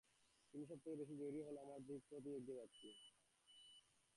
কিন্ত সব থেকে বেশি জরুরি কথা হলো, আমরা আমাদের ঠিক পথেই এগিয়ে যাচ্ছি।